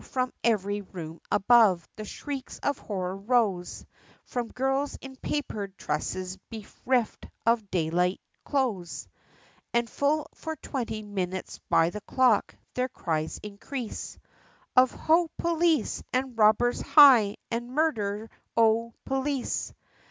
from every room above, the shrieks of horror rose, From girls in papered tresses, bereft of daylight clothes, And full for twenty minutes by the clock, their cries increase, Of "ho! Police" and "robbers hi!" and "murder ho Police!"